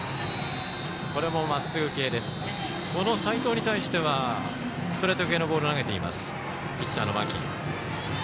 この齋藤に対してはストレート系のボールを投げています、ピッチャーの間木。